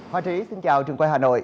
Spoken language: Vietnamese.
hoa trí xin chào trường quay hà nội